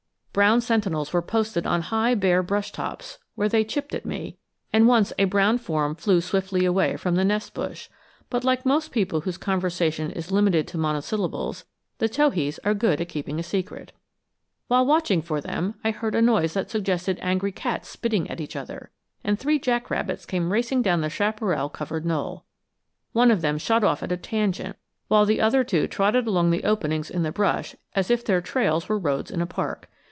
Brown sentinels were posted on high bare brush tops, where they chipped at me, and once a brown form flew swiftly away from the nest bush; but like most people whose conversation is limited to monosyllables, the towhees are good at keeping a secret. While watching for them, I heard a noise that suggested angry cats spitting at each other; and three jack rabbits came racing down the chaparral covered knoll. One of them shot off at a tangent while the other two trotted along the openings in the brush as if their trails were roads in a park.